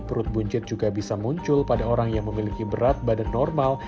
perut buncit juga bisa muncul pada orang yang memiliki berat badan normal